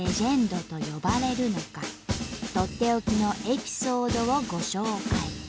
とっておきのエピソードをご紹介。